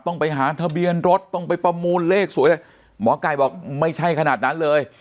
ต้องไปหาทะเบียนรถต้องไปประมูลเลขสวยเลยหมอไก่บอกไม่ใช่ขนาดนั้นเลย